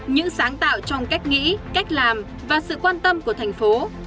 những sáng tạo trong cách nghĩ cách làm và sự quan tâm của thành phố